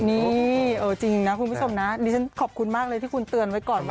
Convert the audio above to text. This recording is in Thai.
นี่จริงนะคุณผู้ชมนะดิฉันขอบคุณมากเลยที่คุณเตือนไว้ก่อนว่า